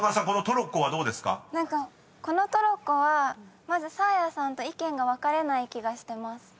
このトロッコはまずサーヤさんと意見が分かれない気がしてます。